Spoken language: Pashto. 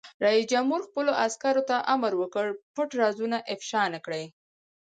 رئیس جمهور خپلو عسکرو ته امر وکړ؛ پټ رازونه افشا نه کړئ!